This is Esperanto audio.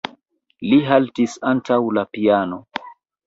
Li haltis antaŭ la piano.